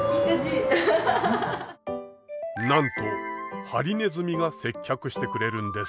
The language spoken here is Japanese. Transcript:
なんとハリネズミが接客してくれるんです。